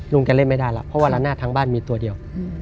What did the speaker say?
แกเล่นไม่ได้แล้วเพราะว่าละนาดทั้งบ้านมีตัวเดียว